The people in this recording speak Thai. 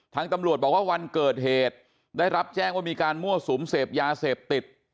ทางตำรวจบอกว่าวันเกิดเหตุได้รับแจ้งว่ามีการมั่วสุมเสพยาเสพติด